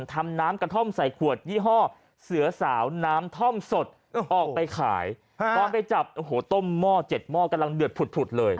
ทำน้ำกระท่อมใส่ขวดยี่ห้อเสือสาวน้ำท่อมสดออกไปขายตอนไปจับโอ้โหต้มหม้อ๗หม้อกำลังเดือดผุดเลย